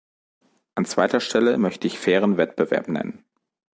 An zweiter Stelle möchte ich fairen Wettbewerb nennen.